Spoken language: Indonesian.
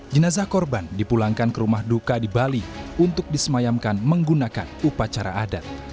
jenazah korban dipulangkan ke rumah duka di bali untuk disemayamkan menggunakan upacara adat